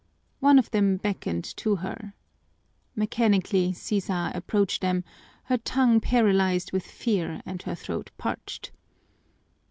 One of them beckoned to her. Mechanically Sisa approached them, her tongue paralyzed with fear and her throat parched.